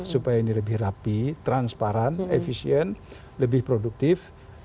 supaya ini lebih rapi transparan efisien lebih produktif